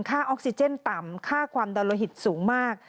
ออกซิเจนต่ำค่าความดันโลหิตสูงมาก